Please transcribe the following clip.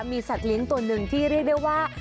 มีสัตว์เลี้ยงตัวหนึ่งที่เรียกได้ว่า